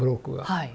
はい。